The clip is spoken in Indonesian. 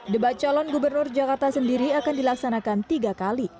debat calon gubernur jakarta sendiri akan dilaksanakan tiga kali